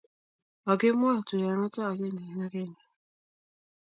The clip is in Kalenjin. okemwou tuyenoto ekenge eng ekenge.